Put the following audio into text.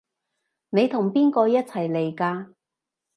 你同邊個一齊嚟㗎？